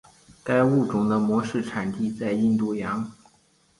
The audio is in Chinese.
该物种的模式产地在印度洋。